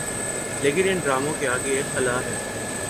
لیکن ان ڈراموں کے آگے ایک خلاہے۔